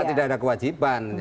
tidak ada kewajiban